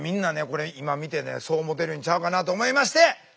これ今見てねそう思うてるんちゃうかなと思いまして！